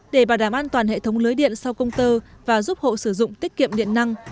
để bảo đảm an toàn hệ thống lưới điện sau công tơ và giúp hộ sử dụng tiết kiệm điện năng